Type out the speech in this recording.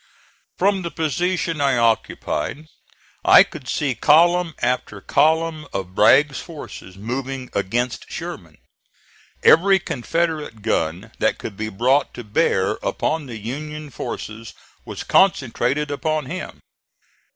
From the position I occupied I could see column after column of Bragg's forces moving against Sherman. Every Confederate gun that could be brought to bear upon the Union forces was concentrated upon him.